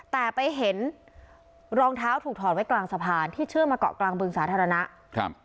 แต่ไปเห็นรองเท้าถูกถอดไว้กลางสะพานที่เชื่อมมาเกาะกลางบึงสาธารณะครับ